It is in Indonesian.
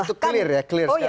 oke itu clear ya